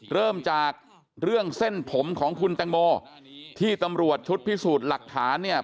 เริ่มจากเรื่องเส้นผมของคุณแตงโมที่ตำรวจชุดพิสูจน์หลักฐานเนี่ย